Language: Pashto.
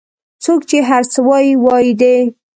څوک چې هر څه وایي وایي دي